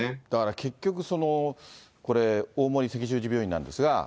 だから結局、これ、大森赤十字病院なんですが。